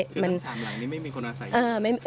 คือทั้งสามหลังนี้ไม่มีคนอาศัย